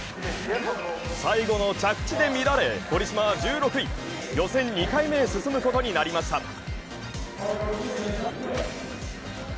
最後の着地で乱れ、堀島は１６位予選２回目へ進むことになりました。